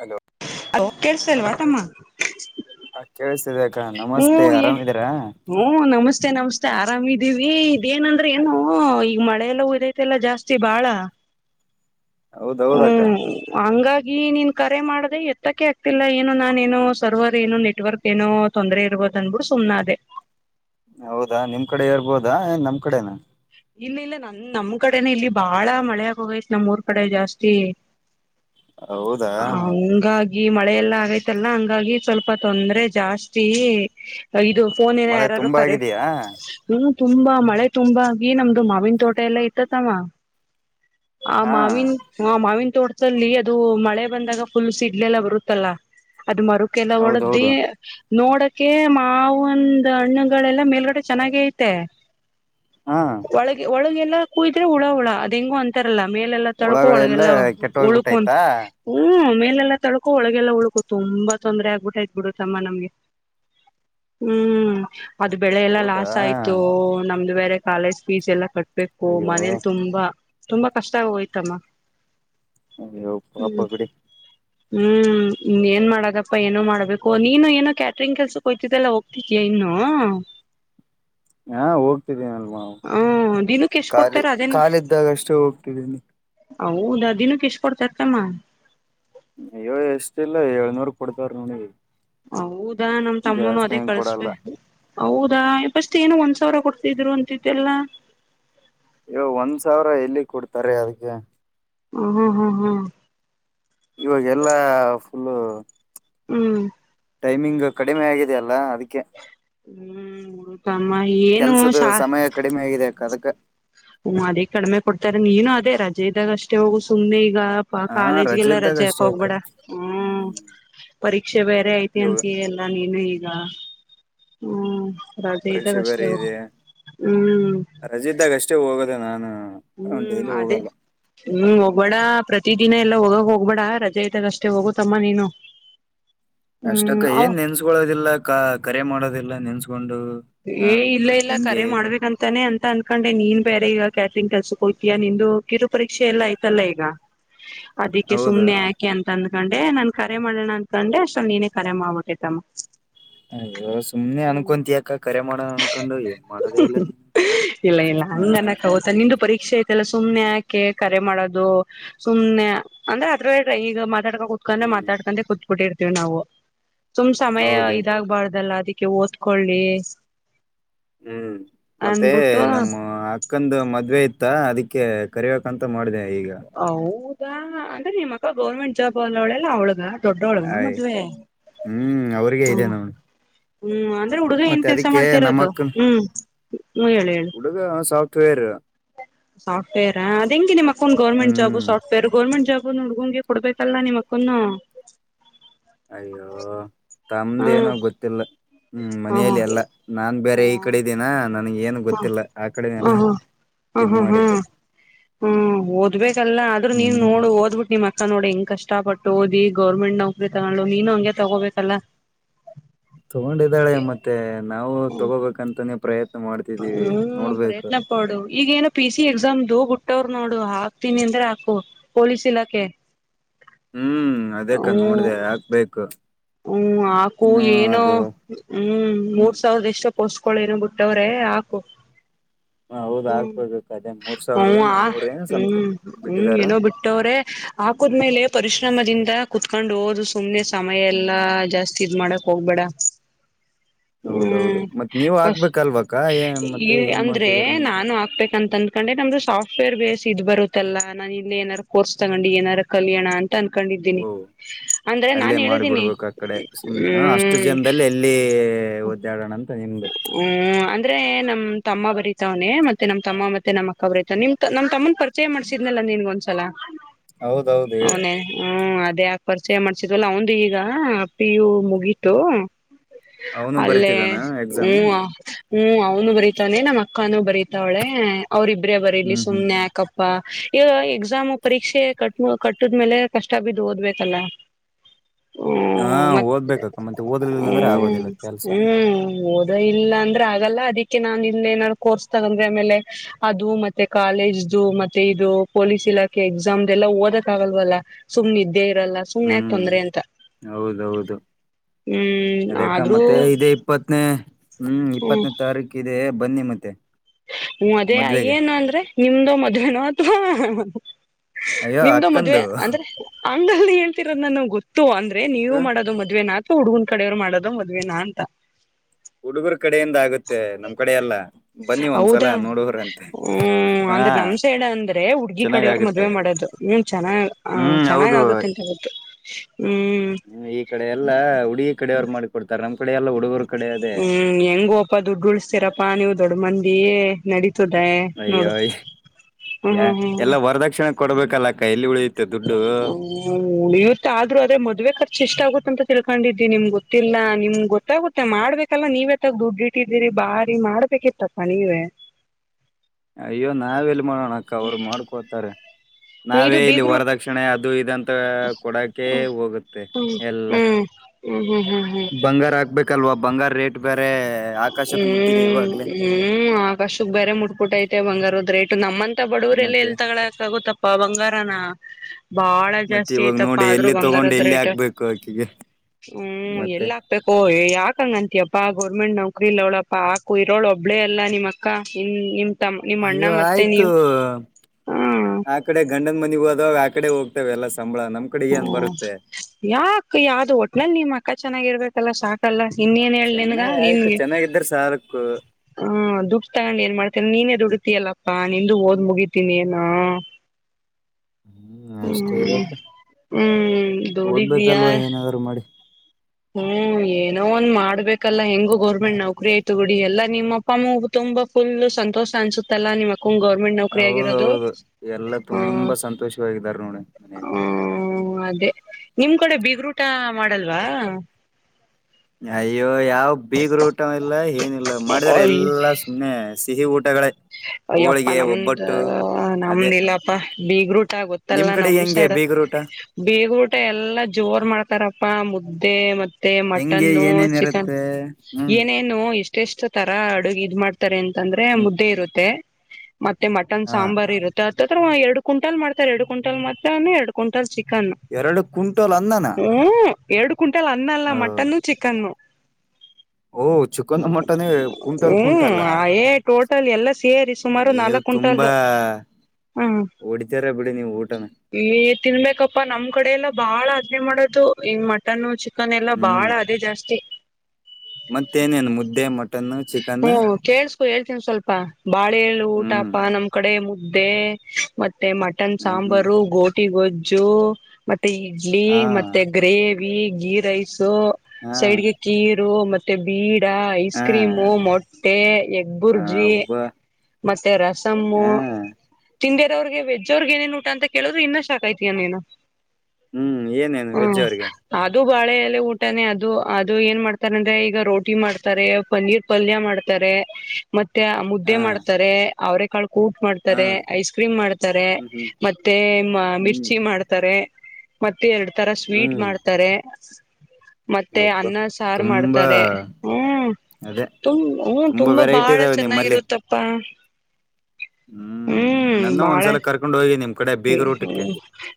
Hello hello ಕೇಳ್ಸ್ತಾ ಇಲ್ವಾ ತಮ್ಮ ಹಾ ಕೇಳ್ಸ್ತಿದೆ ಅಕ್ಕ ನಮಸ್ತೆ ಹ್ಮ್ ಏ ಆರಾಮಿದೀರಾ ಹ್ಮ್ [unintelligible] ಆರಾಮಿದೀವಿ ಇದೇನಂದ್ರೆ ಏನೋ ಈಗ ಮಡ್ ಮಳೆ ಎಲ್ಲ ಹೂದೈತೆಲ್ಲಾ ಜಾಸ್ತಿ ಬಾಳ ಹೌದೌದ್ ಅಕ್ಕ ಈ ನೀನ್ ಕರೆ ಮಾಡದೆ ಎತ್ತಕೆ ಆಗ್ತಿಲ್ಲ ಏನು ನಾನ ಏನೋ ಸರ್ವರ್ ಏನು ನೆಟ್ವರ್ಕ್ ಏನೋ ತೊಂದ್ರೆ ಇರ್ಬೋದ ಅಂದ್ಬಿಟ್ಟ ಸುಮ್ನ್ ಆದೇ ಹೌದಾ ನಿಮ್ ಕಡೆ ಇರ್ಬೋದಾ ಏನ್ ನಮ್ ಕಡೆನ ಇಲ್ಲ ಇಲ್ಲ ನನ್ ನಮ್ ಕಡೆನೆ ಇಲ್ಲಿ ಬಾಳ ಮಳೆ ಆಗ್ ಹೋಗೈತ್ ನಮ್ಮೂರ್ ಕಡೆ ಜಾಸ್ತಿ ಹೌದಾ ಈ ಮಳೆಯೆಲ್ಲಾ ಆಗೈತಲ್ಲ ಹಂಗಾಗಿ ಸ್ವಲ್ಪ ತೊಂದ್ರೆ ಜಾಸ್ತಿ ಇದು ಫೋನೇಲೇ ಮಳೆ ಯಾರಾರು ತುಂಬಾ ಕರಿ ಆಗಿದಯಾ ಹ್ಮ್ ತುಂಬಾ ಮಳೆ ತುಂಬಾ ಈ ನಮ್ದು ಮಾವಿನ ತೋಟ ಎಲ್ಲಾ ಇತ್ತತಮ್ಮ ಆ ಹಾ ಮಾವಿನ ಹ ಮಾವಿನ ತೋಟದಲ್ಲಿ ಅದು ಮಳೆ ಬಂದಾಗ ಫುಲ್ ಸಿಡ್ಲೆಲ್ಲ ಬರುತ್ತಲ್ಲ ಅದ್ ಮರಕ ಎಲ್ಲ ಒಡದ್ದಿ ಹೌದೌದು ನೋಡಕೆ ಮಾವಂದ್ ಹಣ್ಣುಗಳೆಲ್ಲ ಮೇಲ್ಗಡೆ ಚೆನ್ನಾಗೇ ಐತೆ ಹಾ ಒಳಗೆ ಒಳಗೆ ಎಲ್ಲ ಕುಯ್ದ್ರೆ ಉುಳ ಉುಳ ಅದ ಹೆಂಗು ಅಂತಾರಲ್ಲ ಮೇಲೆಲ್ಲಾ ತಳ್ಕೋ ಒಳಗಳೆಲ್ಲ ಒಳಗೆಲ್ಲ ಕೆಟ್ಟ ಉಳ್ಕೊಂತ ಹೋಗ್ಬಿಟ್ಟೈತಾ ಹ ಮ ಲ್ಲಲ್ಲಾ ತಳ್ಕೊ ಒಳಗೆಲ್ಲಾ ಉಳ್ಕು ತುಂಬಾ ತೊಂದರೆ ಆಗ್ಬಿಟ್ಟಾಯ್ ಬಿಡುತ್ತಮ್ಮ ನಮ್ಗೆ ಹ್ಮ್ ಅದು ಬೆಳೆ ಎಲ್ಲಾ ಹೌದಾ ಲಾಸ್ ಆಯ್ತು ನಮ್ ರ [inaudible] ಕಾಲೇಜ್ ಫೀಸ್ ಎಲ್ಲ ಕಟ್ಟ ಬೇಕು ಅಯ್ಯೋ ಮನೇಲಿ ತುಂಬಾ ತುಂಬಾ ಕಷ್ಟ ಹಾಗೋಯ್ತಮ್ಮ ಅಯ್ಯೋಪ್ಪಪ್ಪ ಬಿಡಿ ಹ್ಮ್ ಏನ್ ಮಾಡದಪ್ಪಾ ಏನ ಮಾಡ್ಬೇಕು ನೀನು ಏನು ಕ್ಯಾಟ್ರಿಂಗ್ ಕೆಲ್ಸಕ್ ಹೋಯ್ತಿದ್ದಲ್ಲ ಹೋಗ್ತಿದ್ಯಾ ಇನ್ನು ಹಾ ಹೋಗ್ತಿದ್ದೇ ನಾನು ಹ್ಮ ದಿನಕ್ಕೆ ಎಷ್ಟ್ ಕಾಲಿ ಕೊಡ್ತಾರ ಅದೇನ್ ಕಾಲ್ದಾಗ ಅಷ್ಟೇ ಹೋಗ್ತಿದ್ದನಿ ಹೌದಾ ದಿನಕ್ಕೆ ಎಷ್ಟ ಕೊಡ್ತರತಮ್ಮ ಅಯ್ಯೋ ಎಷ್ಟ ಇಲ್ಲ ಏಳ್ನೂರ್ ಕೊಡ್ತಾರ ನೋಡಿ ಹೌದಾ ನಮ ತಮ್ಮನು ಜಾಸ್ತಿ ಅದೇ ಹೆಂಗ್ ಕೊಡಲ್ಲ ಕಳ್ಸ್ಬೇಕು ಹೌದ ಪಸ್ಟ್ ಏನೂ ಏನು ಒಂದ್ ಸಾವಿರ ಕೊಡ್ತಿದ್ರು ಅಂತಿದ್ದ ಎಲ್ಲ ಒಂದ್ ಸಾವಿರ ಎಲ್ಲಿ ಕೊಡ್ತಾರೆ ಅದಕ್ಕೆ ಹ ಹ್ಮ್ ಹ್ಮ್ ಹ್ಮ್ ಇವಾಗ ಎಲ್ಲಾ ಫುಲ್ಲು ಹ್ಮ್ ಟೈಮಿಂಗ್ ಕಡಿಮೆ ಆಗಿದೆೆಯಲ್ಲ ಅದ ಹ್ಮ್ ತಮ್ಮ ಏನು ಕೆಲ್ಸದ ಶಾ ಸಮಯ ಕಡಿಮೆ ಆಗಿದೆ ಅಕ್ಕ ಅದಕ್ಕೆ ಹ್ಮ್ ಅದೇ ಕಡಿಮೆ ಕೊಡ್ತಾರ ನೀನು ಅದೇ ರಜೆ ಇದಾಗ ಅಷ್ಟೇ ಹೋಗು ಸುಮ್ಮನೆ ಈಗ ಹಾ ರಜೆ ಕಾಲೇಜ್ಗೆಲ್ಲ ಇದ್ದಾಗ ರಜೆಕ ಅಷ್ಟೇ ಅಕ್ಕ ಹೋಗ್ಬೇಡ ಹ್ಮ್ ಪರೀಕ್ಷೆ ಬೇರೆ ಐತಿ ಇವಾಗ ಅಂತ ಎಲ್ಲಾ ನೀನು ಈಗ ನಾ ಹ್ಮ್ ರಜೆ ಇದ್ದಗ ಪರೀಕ್ಷೆ ಅಷ್ಟೇ ಬೇರೆ ಹೋಗು ಇದೆ ಹ್ಮ್ ಅ ನಾನು ಹ್ಮ್ ಡೈಲಿ ಅದೇ ಹೋಗಲ್ಲ ಹ್ಮ್ ಒಗ್ಬಡ ಪ್ರತ ದಿನ ಎಲ್ಲ ಹೋಗಾಗ ಹೋಗ್ಬೇಡ ರಜೆ ತಾಗ ಅಷ್ಟೇ ಹೋಗುತ್ತಮ್ಮ ನೀನು ಅಷ್ಟಕ್ಕ ಹ್ಮ್ ಅವ್ ಏನ್ ನೆನ್ಸ್ಕೊಳ್ಳೋದಿಲ್ಲ ಕರೆ ಮಾಡೋದಿಲ್ಲ ನೆನ್ಸ್ ಹೇ ಇಲ್ಲ ಇಲ್ಲ ಕರೆ ಮಾಡ್ಬೇಕಂತಾನೆ ಅಂತ ಅನ್ಕೊಂಡೆ ನೀನ್ ಬೇರೆ ಈಗ ಕ್ಯಾಟ್ರಿಂಗ್ ಕೆಲ್ಸಕ್ಕೆ ಹೋಯ್ತಿಯ ನಿಂದು ಕಿರು ಪರೀಕ್ಷೆ ಎಲ್ಲ ಆಯ್ತಲ್ಲ ಈಗ ಅದಿಕ್ಕೆ ಹೌದು ಸುಮ್ನೆ ಯಾಕೆ ಅಂತಂದ ಅಕೊಂಡೆ ನಾನ್ ಕರೆ ಮಾಡೋಣ ಅನ್ಕೊಂಡೆ ಅಷ್ಟಲ್ಲಿ ನೀನೇ ಕರೆ ಮಾಡ್ಬಿಟ್ಟೈ ತಮ್ಮ ಅಯ್ಯೋ ಸುಮ್ನೆ ಅನ್ಕೊಂತೀಯ ಕರೆ ಮಾಡಣ ಅನ್ಕೊಂಡು ಏನು ಮಾಡೋದೇ ಇಲ್ಲ [inaudible] ಹಾ ಐತೆಲ್ಲ ಸುಮ್ನೆ ಯಾಕೆ ಕರೆ ಮಾಡೋದು ಸುಮ್ನೆ ಅಂದ್ರೆ ಅದ್ರ ಈಗ ಮಾತಾಡ್ಕ ಕುತ್ಕೊಂಡ ಹ್ಮ್ ಮಾತಾಡ್ಕೊಂಡೆ ಕುತ್ ಕೂತ್ಬಿಟ್ಟಿರ್ತೀವಿ ನಾವು ತುಂಬ ಸಮಯ ಹೌದು ಇದಾಗಬಾರ್ದಲ್ಲ ಅದಿಕ್ಕೆ ಓದ್ಕೊಳ್ಳಿ [unintelligible] ಹ್ಮ್ ಮತ್ತೆ ಅನ್ಬಿಟ್ಟು ನಮ್ಮ ಅಕ್ಕಂದು ಮದ್ವೆ ಇತ್ತು ಅದಕ್ಕೆ ಕರಿಬೇಕಂತ ಮಾಡಿದೆ ಈಗ ಹೌದ ಅಂದ್ರೆ ನಿಮ್ಮ ಅಕ್ಕ ಗೌರ್ಮೆಂಟ್ ಜಾಬ್ ಅಲ್ಲ ಅವಳೆಲ್ಲ ಅವ್ಳಗ ಆಯ್ ಹ್ಮ್ ಅವ್ರಿಗೆ ಇದ ಹ್ಮ್ ನನ್ ಹ್ಮ್ ಆದ್ರೆ ಹುಡುಗ ಏನ್ ಕೆಲ್ಸ ಮಾಡ್ತಿರೋದು ಹ್ಮ್ [unintelligible] ಹುಡ್ಗ ಸಾವಕಾರ [unintelligible] ಸಾಫ್ಟವೆರ್ ಅದ ಹೆಂಗೆ ನಿಮ್ಮಕ್ಕ ಒಂದು ಗೌರ್ಮೆಂಟ್ ಜಾಬ್ ಹ್ಮ್ ಸಾಫ್ಟ್ವೇರ್ ಗೌರ್ಮೆಂಟ್ ಜಾಬ್ ಹುಡ್ಗಗೆ ಕೊಡ್ಬೇಕಲ್ಲ ನಿಮ್ಮಕ್ಕನ್ನ ಅಯ್ಯೋ ಹಾ ತಮ್ದೇ ಏನೋ ಗೊತ್ತಿಲ್ಲ ಹ್ಮ್ ಹಾ ಹಾ ಮನೆಲ್ಲಿ ಎಲ್ಲಾ ನಾನ್ ಹಾ ಬೇರೆ ಈ ಕಡೆ ಇದ್ದೇನಾ ಹಾ ಹಾ ಹಾ ಇದ್ ಹಾ ಹಾ ಮಾಡಿದ್ದು ಹ್ಮ್ ಓದ್ಬೇಕಲ್ಲ ಆದ್ರೂ ನೀನ್ ಹ್ಮ್ ನೋಡು ಓದ್ಬಿಟ್ಟು ನಿಮ್ ಅಕ್ಕ ನೋಡಿ ಹೆಂಗ್ ಕಷ್ಟಪಟ್ಟ ಓದಿ ಗೌರ್ಮೆಂಟ್ ನೌಕ್ರರಿ ತಗೋದ್ಲು ನೀನು ಹಂಗೆ ತಗೋಬೇಕಲ್ಲ ತಗೊಂಡಿದ್ದಾಳೆ ಮತ್ತೆ ನಾವು ತೊಗೋಬೇಕಂತನೇ ಪ್ರಯತ್ನ ಮಾಡ್ತಿದೀವಿ ಹ್ಮ್ ನೋಡ್ಬೇಕು ಪ್ರಯತ್ನ ಪಡು ಈಗ ಏನೋ ಪಿ ಸಿ ಎಕ್ಸಾಮ್ದಬಟ್ಟವ್ರ ನೋಡು ಹಾಕ್ತೀನಿ ಅಂದ್ರೆ ಹಾಕು ಪೊಲೀಸ್ ಇಲಾಖೆ ಹ್ಮ್ ಅದಕ್ಕ ಹ್ಮ್ ನೋಡ್ದ ಯಾಕ್ ಬೇಕು ಹ್ಮ್ ಆಕು ಏನು ಹ್ಮ್ ಮೂರ್ ಸಾವಿರದ ಎಷ್ಟು ಪೋಸ್ಕೊಳ ನ ಬಿಟ್ಟವ್ರೆ ಹಾಕು ಹ ಹೌದ್ ಹ್ಮ್ ಆಗ್ಬೇಕಕ್ ಅದೇ ಮೂರ್ ಹ ಸಾವಿರದ ಆ ನೂರ ಏನ್ ಹ್ಮ್ ಸಮಥಿಂಗ್ ಹ್ಮ್ ಬಿಟ್ಟಿದಾರ ಏನೋ ಬಿಟ್ಟವ್ರೆ ಹಾಕದ್ಮೇಲೆ ಪರಿಶ್ರಮದಿಂದ ಕುತ್ಕೊಂಡು ಓದು ಸುಮನೆ ಸಮಯ ಎಲ್ಲ ಹ್ಮ್ ಜಾಸ್ತಿ ಇದ್ ಮಾಡಕ್ ಹೋಗ್ಬೇಡ ಹೌದೌದು ಹ್ಮ್ ಮತ್ತ್ ನೀವ್ ಕಷ್ ಆಗ್ಬೇಕಲ್ವಾಕ್ಕ ಏ ಈ ಮತ್ತೆ ಏನ್ ಅಂದ್ರೆ ಮಾಡ್ತಿದಿದ್ದಾರೆ ನಾನು ಹಾಕ್ಬೇಕಂತ ಕಕೊಂಡೆ ನಮ್ದು ಸಾಫ್ವೇರ್ ಬೇಸ್ ಇದದು ಬರುತ್ತಲ್ಲಾ ನಾನ ಇಲ್ಲಿ ಏನಾರು ಕೋರ್ಸ್ ತಗೊಂಡು ಏನಾರು ಕಲ್ಯಾಣ ಅಂತ ಅನ್ಕೊಂಡಿದ್ದೀನಿ ಓ ಅಂದ್ರೆ ಅಲ್ಲೇ ನಾನ್ ಹೇಳಿದೀನಿ ಮಾಡ್ಬಿಡ್ಬೇಕು ಆ ಕಡೆ ಸುಮ್ನೆ ಹ ಅಷ್ಟು ಹ್ಮ್ ಜನದಲ್ಲಿ ಎಲ್ಲಿ ಐವತ್ತೇಳಣ್ಣ ಹ್ಮ್ ಅಂದ್ರೆ ನಮ್ ತಮ್ಮ ಬರೀತವನೆ ಮತ್ತೆ ನಮ ತಮ್ಮ ಮತ್ತೆ ನಮ್ಮ ಅಕ್ಕ ಬರೀತವ ನಿಮ್ ನಮ ತಮ್ಮನ್ ಪರಿಚಯ ಮಾಡ್ಸಿದ್ನಲ್ಲ ನಿನ್ಗ ಒಂದ್ಸಲ ಹೌದೌದು ಹೇಳಿ ಅವನೇ ಹ್ಮ್ ಅದೇ ಪರಿಚಯ ಮಾಡ್ಸಿದ್ವಲ್ಲ ಅವಂದು ಈಗ ಪಿಯು ಮುಗೀತು ಅವನು ಅಲ್ಲೇ ಬರಿತಿದ್ದಾನ ಹ್ಮ ಹ್ಮ್ ಅವ್ನು ಬರೀತವನೆ ನಮ್ಮ್ ಅಕ್ಕಾನೂ ಬರೀತಾವಳೆ ಅವರಿ ಇಬ್ರ ಬರ ಇಲ್ಲಿ ಹ್ಮ್ ಹ್ಮ್ ಸುಮ್ನೆ ಅಕಪ್ಪಾ ಈ ಎಕ್ಸಾಮ್ ಪರೀಕ್ಷೆ ಕಟ್ ಕಟ್ಟದ್ಮೇಲೆ ಕಷ್ಟ ಬಿದ್ದ ಓದ್ಬೇಕಲ್ಲ ಹಾ ಹ್ಮ್ ಮತ್ ಓದ್ಬೇಕಕ್ಕ ಮತ್ತೆ ಓದ್ಲಿಲ್ಲಾಂದ್ರೆ ಆಗೋದಿಲ್ಲ ಕೆಲ್ಸ ಹದ ಇಲ್ಲ ಅಂದ್ರೆ ಆಗಲ್ಲ ಅದಕ್ಕೆ ನಾನ್ ಇಲ್ಲ ಏನಾದಾರ್ರು ಕೋರ್ಸ್ ತಗಂದ್ರೆ ಆಮೇಲೆ ಅದು ಮತ್ತೆ ಕಾಲೇಜ್ದು ಮತ್ತೆ ಇದು ಪೊಲೀಸ್ ಇಲಾಖೆ ಎಕ್ಸಾಮ್ದ ಎಲ್ಲಾ ಓದಕ್ ಆಗಲ್ವಲ್ಲ ಸುಮ್ನ ಇದ್ದೇ ಇರಲ್ಲ ಸುಮ್ ಯಾಕೆ ಹ್ಮ್ ತೊಂದ್ರೆ ಅಂತ ಹೌದೌದು ಹ್ಮ್ ಅದಕ್ಕ ಆದ್ರೂ ಮತ್ತೆ ಇದೇ ಇಪ್ಪತ್ತೇ ಹ್ಮ್ ಇಪ್ಪತ್ತನೇ ತಾರೀಕ ಇದೆ ಬನ್ನಿ ಮತ್ತೆ ಮದೇ ಮದ್ವೆಗೆ ಏನು ಅಂದ್ರೆ ನಿಮ್ದ ಮದ್ವೆನೋ ಅಥವಾ ಅಯ್ಯೋ ನಿಮ್ದ ಮದ್ವೆ ಅಕ್ಕಂದು ಅಂದ್ರೆ ಅಂಗಲ್ಲಿ ಹೇಳ್ತಿರೋದ ನ ಗೊತ್ತು ಅಂದ್ರೆ ನೀವು ಹ ಮಾಡೋದು ಮದ್ವೆ ನಕ ಹುಡ್ಗನ್ ಕಡೆಯವ್ರು ಮಾಡೋದ ಮದ್ವೆೇನಾ ಅಂತ ಹುಡುಗರು ಕಡೆಯಿಂದ ಆಗುತ್ತೆ ನಮ್ ಕಡೆ ಎಲ್ಲ ಬನ್ನಿ ಒಂದ್ಸಲ ಹೌದಾ ನೋಡೋರಂತೆ ಹ್ಮ್ ಹಾ ಅಂದ್ರೆ ನಮ್ ಸೈಡ್ ಅಂದ್ರೆ ಹುಡ್ಗಿ ಚೆನ್ನಾಗ್ ಕಡೆಯವರು ಆಗುತ್ತೆ ಮದ್ವೆ ಮಾಡೋದು ಹ್ಮ ಚೆನ್ನಾಗ್ ಆ ಹ್ಮ್ ಚೆನ್ನಾಗ್ ಹೌದು ಆಗುತ್ತೆ ಅಂತ ಹೇಳ್ಬಿತು [inaudible] ಹ್ಮ್ ಈ ಕಡೆ ಎಲ್ಲಾ ಹುಡುಗಿ ಕಡೆಯವ್ರು ಮಾಡಿ ಕೊಡ್ತಾರೆ ನಮ್ ಕಡೆ ಎಲ್ಲ ಹುಡುಗರ ಕಡೆ ಅದೇ ಹ್ಮ್ ಹೆಂಗೋಪ ದುಡ್ಡು ಉಳಸ್ತೀರಪ್ಪಾ ನೀವು ದೊಡ್ ಮಂದಿ ನಡಿ ಹ್ಮ್ ಅಯ್ಯೋಯ ಹ್ಮ್ ಹ್ಮ್ ಎಲ್ಲ ವರದಾಕ್ಷಣೆ ಕೊಡ್ಬೇಕು ಕಲಾಕ್ಕ ಎಲ್ಲಿ ಉಳಿಯುತ್ ಹ್ಮ ಇವತ್ತು ಆದ್ರರು ಅದೇ ಮದ್ವೆ ಖರ್ಚು ಎಷ್ಟ ಆಗುತ್ತ ಅಂತ ತಿಳ್ ಹಕೊಂಡಿದ್ದಿ ನಿಮ್ ಗೊತ್ತಿಲ್ಲಾ ನಿಮ್ ಗೊತ್ತಾಗುತ್ತೆ ಮಾಡ್ಬೇಕಲ್ಲ ನೀವೇತ್ತಗ ದುಡ್ಡು ಇಟ್ಟಿದ್ದೀರಿ ಬಾರಿ ಮಾಡ್ಬೇಕಿತ್ತಪ್ಪ ನೀವೇ ಅಯ್ಯೋ ನಾವೆಲ್ಲಿ ಮಾಡೋಣ ಅಕ್ಕ ಅವ್ರು ಮಾಡ್ಕೊತಾರೆ ಇದು ನಾವೇ ಇಲ್ಲಿ ಬೀಗ್ರೂಟ್ ವರದಕ್ಷಿಣೆ ಕ್ಷಣೆ ಅದು ಇದು ಕೊಡಕೆ ಹ್ಮ್ ಹೋಗುತ್ತೆಯಲ್ಲ ಹ್ಮ್ ಹ್ಮ್ ಹ್ಮ್ ಹ್ಮ್ ಹ್ಮ್ ಬಂಗಾರ ಹಾಕ್ಬೇಕಲ್ವಾ ಬಂಗಾರ ರೇಟ್ ಬೇರ್ ಹ್ಮ್ ಹ್ಮ್ ಆಕಾಶಕ್ ಬೇರೆ ಮುಟ್ಟಬೂಟಾಯಿತೇ ಬಂಗಾರದ ರೇಟ್ ನಮ್ಮನ್ ಬಡವರಲ್ಲಿ ಮತ್ತೆ ಎಲ್ಲಿ ತಗಳಕ ಆಗುತ್ತಪ್ಪಾ ಬಂಗಾರನ ಬಾಳ ಮತ್ತೆ ಜಾಸ್ತಿ ಇವಾಗ ಐತಪ್ಪ ನೋಡಿ ಆದ್ರೂ ಎಲ್ಲಿ ತಗೊಂಡು ಬಂಗಾರದ ಎಲ್ಲಿ ರೇಟ್ ಹಾಕ್ಬೇಕು ಆಕಿಗೆ ಹ್ಮ ಮತ್ತೆ ಎಲ್ಲ ಹಾಕ್ಬೇಕು ಯಾಕಂಗಂತಯಪ್ಪಾ ಗೌರ್ಮೆಂಟ್ ನಾವ ಇಲ್ಲ ಅವಳಪ್ಪಾ ಆಾಕು ಇರೋಳು ಒಬ್ಬಳೇ ಅಲ್ಲಾ ನಿಮ್ಮ ಅಕ್ಕ ನಿ ನಿಮ ಅಯ್ಯೋ ಆಯ್ತು ಹ ಆ ಕಡೆ ಗಂಡನ್ ಮನೆ ನೀವು ಅದ್ ಆಕಡೆ ಹೋಗತೇವೆ ಎಲ್ಲ ಹ್ಮ ಯಾಕ ಯಾವ್ದ ಒಟ್ನಲ್ಲಿ ನಿಮ್ಮ ಅಕ್ಕ ಚೆನ್ನಾಗಿರ್ಬೇಕು [unintelligible] ಇನ್ನೇನ್ ಹೇಳ ನಿನ್ಗ ಚೆನ್ನಾಗ ಆಯ್ತು ನೀನ್ಗೆ ಚೆನ್ನಾಗಿದ್ರ ಸಾಕು ಹ ದುಖ ತಗೊಂಡ ಏನ್ ಮಾಡ್ತನೆ ನೀನೇ ದುಡಿತಿಯಲ್ಲ ಹಾ ನಿಂದು ಓದ್ ಮುಗಿತೀನಿ ಏನು ಹ್ಮ್ ಅಷ್ಟೇ ಇದಕ್ಕ ಹ್ಮ್ ದುಡಿದಿಯಾ ಓದ್ಬೇಕಲ್ವಾ ಏನಾದ್ರು ಮಾಡಿ ಹ್ಮ್ ಏನೋ ಒಂದ್ ಮಾಡ್ಬೇಕಲ್ಲ ಹೆಂಗು ಗೌರ್ಮೆಂಟ್ ನೌಕರಿ ಆಯ್ತು ಬುಡಿ ಎಲ್ಲಾ ನಿಮ್ಮ ಅಪ್ಪ ಅಮ್ಮ ತುಂಬಾ ಫುಲ್ ಸಂತೋಷ ಅನ್ಸುತ್ತಲ್ಲಾ ನಿಮ್ಮ್ ಗೌರ್ಮೆಂಟ್ ನೌಕರಿ ಆಗಿರೋದು ಹೌದೌದು ಎಲ್ಲ ಹ ತುಂಬಾ ಸಂತೋಷವಾಗಿದ್ದಾರೆ ನೋಡಿ ಮನ್ಯಾಗ ಹ್ಮ್ ಅದೇ ನಿಮ್ ಕಡೆ ಬಿಗ್ರೂಟ ಮಾಡಲ್ವಾ ಅಯ್ಯೋ ಯಾವ್ ಬೀಗ್ರೂಟನು ಇಲ್ಲ ಏನು ಇಲ್ಲ ಇಲ್ಲ ಮಾಡಿದರೆ ಅಯ್ ಎಲ್ಲಾ ಸುಮ್ಮನೆ ಸಿಹಿ ಊಟಗಳೇ ಅಯ್ಯಪ್ಪ ಹೋಳಿಗೆ ನಮ್ದ ಒಬ್ಬಟ್ಟು ಅದೇ ನಮ್ದ್ ಇಲ್ಲಪ್ಪಾ ಬೀಗರಊಟ ಗೊತ್ತ ನಿಮ್ ಗೊತ್ತಲ್ಲಾ ಕಡೆ ನಮ ಹೆಂಗೆ ಸೈಡ್ ಬೀಗರು ಊಟ ಬೀಗರ ಊಟ ಎಲ್ಲಾ ಜೋರ್ ಮಾಡ್ತಾರ ಉಪ್ಪ ಮುದ್ದೆ ಮತ್ತೆ ಮತ್ತೆ ಹೆಂಗೆ ಮಟನ್ನು ಏನೇನ್ ಚಿಕನ್ ಇರುತ್ತೆ ಹ್ಮ್ ಏನೇನು ಇಷ್ಟ ಎಷ್ಟು ತರ ಅಡುಗೆ ಇದ್ ಮಾಡ್ ತಾರೆ ಅಂತಂದ್ರೆ ಹ್ಮ್ ಮುದ್ದೆ ಇರುತ್ತೆ ಹ ಮತ್ತೆ ಮಟನ್ ಹಾ ಸಾಂಬಾರ್ ಇರುತ್ತೆ ಹತ್ರಹತ್ರ ಎರಡು ಕುಂಟಲ್ ಮಾಡತಾರೆ ಎರಡ ಕುಂಟಲ್ ಮಟನ್ ಎರಡು ಕುಂಟಲ್ ಚಿಕನ್ ಎರಡು ಕುಂಟಲ್ ಅನ್ನನಾ ಹ್ಮ್ ಎರಡು ಕುಂಟಲ್ ಅನ್ನಲ್ಲ ಮಟನ್ನು ಚಿಕನ್ನು ಓಹ ಚಿಕನ್ ಮಟನ್ ಕುಂಟಲ್ ಹ್ಮ ಕುಂಟಲ್ಲ ಅ ಹೇ ಟೋಟಲ್ ಎಲ್ಲ ಸೇರಿ ಸುಮಾರು ನೀವು ನಾಲ್ಕ್ ಕುಂಟಲ್ ತುಂಬಾ ಹ್ಮ ಹೊಡಿತಾರ ಬಿಡಿ ನೀವು ಊಟನ ಈ ತಿನ್ಬೇಕಪ್ಪಾ ನಮ್ ಕಡೆ ಎಲ್ಲ ಬಾಳ ಮಾಡೋದು ಈ ಮಟನ್ನು ಚಿಕನ್ ಚಿಕ್ಕನ್ ಎಲ್ಲಾ ಬಾಳ ಹ್ಮ್ ಅದೇ ಜಾಸ್ತಿ ಮತ್ತೇನೇನು ಮುದ್ದೆ ಮಟನ್ ಚಿಕನ್ ಹ್ಮ ಕೇಳಸ್ಕು ಹೇಳ್ತನಿ ಸ್ವಲ್ಪ ಬಾಳೆಲೆ ಹ್ಮ್ ಊಟಪ್ಪ ನಮ್ ಕಡೆ ಮುದ್ದ ದ್ದೆ ಮತ್ ತ್ತೆ ಮಟನ್ ಹ್ಮ್ ಹ್ಮ್ ಸಾಂಬಾರು ಬೋಟಿ ಗೋಜ್ ಜ್ಜು ಮತ್ ತ್ತೆ ಇಡ್ಲಿ ಹಾ ಮತ್ತೆ ಗ್ರೇವ್ ಬಿ ಗೀ ರೈಸ್ ದು ಹಾ ಸೈಡ್ಗೆ ಕೀರ್ ರು ಮತ್ತೆ ಬೀಡ ಹಾ ಕ್ರೀಮು ಮೊಟ್ಟೆ ಆ ಎಗ್ಬುರ್ಜಿ ಒಬ್ಬ ಮತ್ತೆ ರಸಮ್ಮು ಹಾ ತಿಂದೇರವ್ರ್ಗೆ ವೆಜ್ ಅವ್ರ್ಗೆನೆನೂಟ ಅಂತ ಕೇಳಿದ್ರು ಇನ್ನ ಶಾಕ್ ಆಯ್ತಿಯ ನೀನು ಹ್ಮ್ ಏನೇನು ಹ್ಮ್ ವೆಜ್ಜವ್ರ್ಗೆ ಅದು ಬಾಳೆ ಎಲೆ ಊಟಾನೇ ಅದು ಅದು ಏನ್ಮಾಡ್ತಾರಂದ್ರೆ ಈಗ ರೋಟಿ ಮಾಡ್ತಾರೆ ಪನ್ನೀರ್ ಪಲ್ಯ ಮಾಡ್ತಾರೆ ಮತ್ ತ್ತೆ ಮುದ್ದೆ ಹಾ ಮಾಡ್ತಾರೆ ಅವ್ರೆ ಕೂಟ್ ಹಾ ಮಾಡ್ತಾರೆ ಐಸ್ ಕ್ರೀಮ್ ಮಾಡ್ತಾರೆ ಹ್ಮ್ ಹ್ಮ್ ಮತ್ತೆ ಮ ಹ್ಮ್ ಮಿರ್ಚಿ ಮಾಡ್ತಾರೆ ಮತ್ [inaudible] ತ್ತೆ ಎರ್ಡತರ ಸ್ವೀಟ್ ಹ್ಮ್ ಮಾಡ್ತಾರೆ [inaudible] ಮತ್ತೆ ಒಬ್ಬ ಅನ್ನ ಸಾರ್ ತುಂಬಾ ಮಾಡ್ತಾರೆ ಹ್ಮ್ಮ್ ಅದೇ ತು ಹು ತುಂಬಾ ತುಂಬ ವೆರೈಟಿ ಬಾಳ ಇದಾವೆ ನಿಮ್ಮಲ್ಲಿ ಚೆನ್ನಾಗಿರುತ್ತಪ್ಪಾ ಹ್ಮ್ ನನ್ನ ಬಾಳ ಒಂದ್ಸಲ ಕರ್ಕೊಂಡ್ ಹೋಗಿ ನಿಮ್ ಕಡೆ ಹ್ಮ್ ಬೀಗರ್ ಊಟಕ್ಕೆ ಹ್ಮ್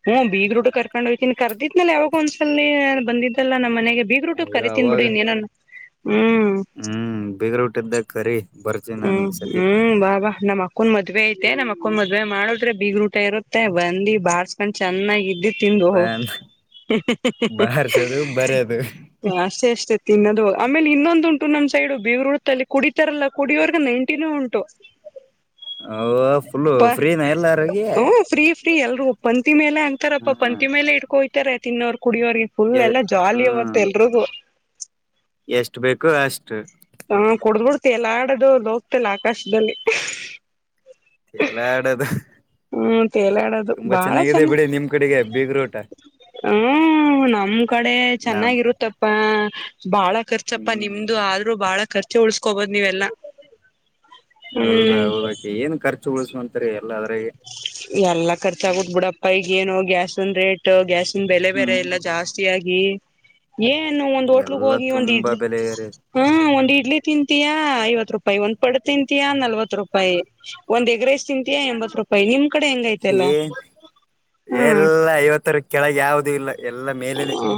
ಹು ಬೀಗ್ರುಟುಕ್ಕರ್ಕೊಂಡ್ ಒಯ್ತಿನಿ ಕರ್ದಿದ್ನಲ್ಲ ಯಾವಾಗ್ ನ್ಸಲ್ಲಿ ಬಂದಿದ್ದಲ್ಲ ನಮ್ಮನೆಗೆ ಬೀಗ್ರೂಟುಕ್ ಅಯ್ಯೋ ಕರಿತೀನ್ಬಿಡು ಅವಾಗ ಇನ್ನೇನು ನ್ ಹ್ಮ್ ಬೀಗ್ರುಟಿದ್ದಾಗ್ ಕರಿ ಬರ್ತೀನಿ ನಾನು ಹ್ಮ್ ಈ ಸತಿ ಹ್ಮ್ ಬಾಬಾ ನಮ್ಮಕ್ಕುನ್ ಮದ್ವೆ ಐತೆ ನಮ್ಮಕ್ ಕ್ಕುನ್ ಮದ್ವೆ ಮಾಡುದ್ರೆ ಬೀಗ್ರೂಟ ಇರುತ್ತೆ ಬಂದಿ ಬಾರ್ಸಕಂಡ್ ಚೆನ್ನಾಗಿ ಇದ್ ತಿಂದು ಹೋಗ್ ಬನ್ ಬಾರ್ಸೋದು ಬರದು ಅಷ್ಟೆ ಅಷ್ಟೆ ತಿನ್ನೋದು ಓ ಆಮೇಲಿನ್ನೊಂದುಂಟು ನಮ್ಸೈಡು ಬೀಗ್ರೂಟ್ದಲ್ಲಿ ಕುಡಿತಾರಲ್ಲ ಕುಡಿಯೋರ್ಗ ನೈಂಟಿನೂ ಉಂಟು ಅವ್ವ ಫುಲ್ಲು ಪ ಫ್ರೀನ ಎಲ್ಲಾರಿಗಿ ಹ್ಮ ಫ್ರೀ ಫ್ರೀ ಎಲ್ರುಗು ಪಂತ್ ಮೇಲೆ ಅತಾರಪ್ಪ ಪಂತಿ ಮೇಲೆ ಇಟ್ಕೋ ಒಯ್ತಾರೆ ತಿನ್ನೋರು ಕುಡಿಯೋರು ಫುಲ್ ಎಣ್ಣೆ ಜಾಲಿ ಇವತ್ತು ಹ್ಮ್ ಎಲ್ಲರಿಗೂ ಎಷ್ಟು ಬೇಕು ಅಷ್ಟು ಹಾ ಕುಡಿದು ಬಿಟ್ ತೇಲಾಡೋದು ಲೋಕದಲ್ಲಿ ಆಕಾಶದಲ್ಲಿ ತೆಲಾಡೋದು ಹ್ಮ ತೇಲಾಡದು ಬಾಳ ಚನ್ನ ಬಿಡಿ ನಿಮ್ ಕಡೆಗೆ ಬೀಗ್ರೂಟ ಹ್ಮ ನಮ್ ಕಡೆ ನಮ್ ಚೆನ್ನಾಗಿರುತ್ತಪ್ಪ ಬಾಳ ಖರ್ಚಪ್ಪ ಹ್ಮ್ ನಿಮ್ದು ಆದ್ರು ಬಾಳ ಖರ್ಚು ಉಳಸ್ಕೋಬೋದು್ ನೀವೆಲ್ಲಾ ಹೌದಾ ಹ್ಮ್ ಹೌದಾಕೆ ಏನ್ ಖರ್ಚು ಉಳಿಸಂತಾರೆ ಎಲ್ಲ ಅದ್ರಾಗೆ ಎಲ್ಲಾ ಖರ್ಚಾಗತ್ ಬಿಡಪ್ಪ ಈಗ ಏನು ಗ್ಯಾಸ್ನ್ ರೇಟ್ ಗ್ಯಾಸ್ ಬೆಲೆ ಬೆರೆ ಹ್ಮ್ ಎಲ್ಲ ಜಾಸ್ತಿ ಆಗಿ ಎ ಏನು ಒಂದ್ ಹೋಟ್ಲಗ್ ಎಲ್ಲ ಹೋಗಿ ಒಂದ್ ತುಂಬಾ ಇಡ್ಲಿ ಬೆಲೆ ಏರಿ ಹಾ ಒಂದ್ ಇಡ್ಲಿ ತಿಂತೀಯಾ ಐವತ್ ರೂಪಾಯಿ ಒಂದ್ ಪಡ್ ತಿಂತಯಾ ನಲ್ವತ್ ರೂಪಾಯಿ ಒಂದ್ ಎಗ್ರಸ್ ತಿಂತಿಯಾ ಎಂಬತ್ ರೂಪಾಯಿ ರೂಪಾಯಿಮ್ ಏ ಎಲ್ಲಾ ಐವತ್ತರ ಕೆಳಗೆ ಯಾವ್ದ ಯಾವುದು ಇಲ್ಲ. ಎಲ್ಲ ಮೇಲೆನೆ ಹ್ಮ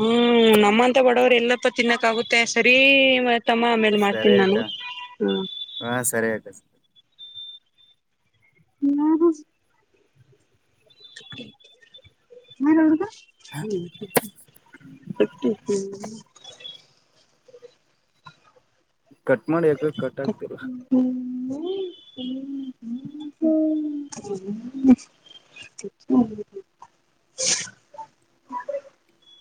ನಮ್ಮಂತ ಬಡವ ಎಲ್ಲಪ್ಪ ತಿನ್ನಕ್ಕ ಆಗುತ್ತೆ ಸರಿ, ಮತ್ತೆ ಉತ್ತಮ್ಮ ಆಮೇಲೆ ಮಾಡ್ತೀನಿ ಸರಿ ನಾನು ಅಕ್ಕ ಹ್ಮ, ಹಾ ಸರಿ ಅಕ್ಕ [unintelligible] [unintelligible] [unintelligible] ಹ್ಮ್ ಕಟ್ ಮಾಡಿ ಯಾಕ ಕಟ್ ಆಗ್ತಿಲ್ಲ. ಹ